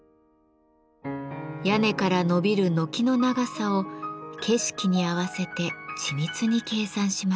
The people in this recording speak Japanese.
屋根からのびる軒の長さを景色に合わせて緻密に計算しました。